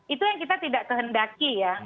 itu yang kita tidak kehendaki ya